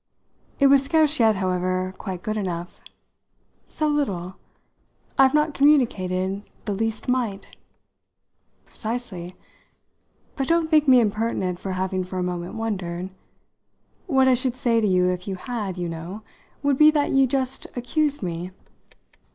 It was scarce yet, however, quite good enough. "So little? I've not communicated the least mite." "Precisely. But don't think me impertinent for having for a moment wondered. What I should say to you if you had, you know, would be that you just accused me."